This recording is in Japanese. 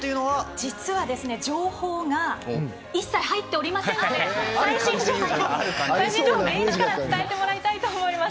実は、情報が一切、入っておりませんので最新情報を現地から伝えてもらいたいと思います。